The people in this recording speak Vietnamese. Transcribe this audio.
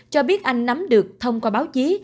cho biết anh nắm được thông qua báo chí